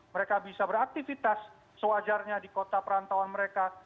mereka bisa beraktivitas sewajarnya di kota perantauan mereka